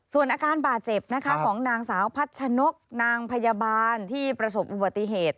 ส่วนอาการบาดเจ็บนะคะของนางสาวพัชนกนางพยาบาลที่ประสบอุบัติเหตุ